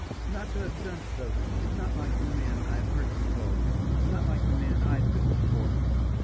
"Not to have done so, is not like the man I have heard you called not like the man I took you for."